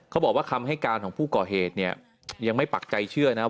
บอกว่าคำให้การของผู้ก่อเหตุเนี่ยยังไม่ปักใจเชื่อนะครับ